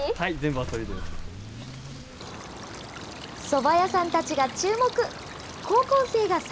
そば屋さんたちが注目。